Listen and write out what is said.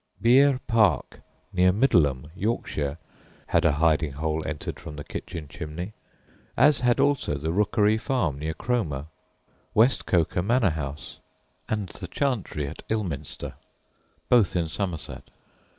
Beare Park, near Middleham, Yorkshire, had a hiding hole entered from the kitchen chimney, as had also the Rookery Farm, near Cromer; West Coker Manor House; and The Chantry, at Ilminster, both in Somerset.